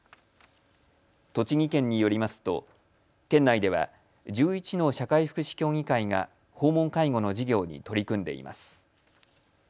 栃木県によりますと、県内では１１の社会福祉協議会が訪問介護の事業に取り組んでいます。